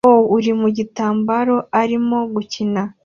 o uri mu gitambaro arimo gukina